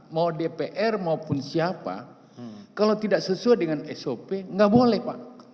mau dpr maupun siapa kalau tidak sesuai dengan sop nggak boleh pak